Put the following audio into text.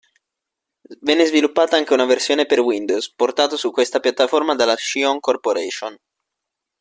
Venne sviluppata anche una versione per Windows, portato su questa piattaforma dalla Scion Corporation.